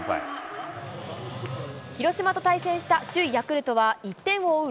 広島と対戦した首位ヤクルトは１点を追う